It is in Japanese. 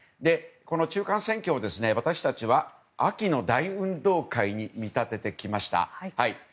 この中間選挙を私たちは秋の大運動会に見立ててきました。